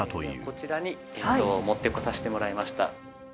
こちらに持ってこさせてもらいました。